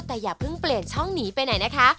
แต่อย่าเพิ่งเปลี่ยนช่องหนีไปไหนนะคะ